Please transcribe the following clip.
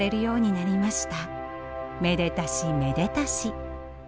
めでたしめでたし。